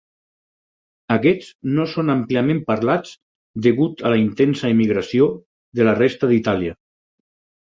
Aquests no són àmpliament parlats degut a la intensa emigració de la resta d'Itàlia.